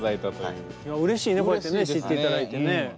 いやうれしいねこうやってね知っていただいてね。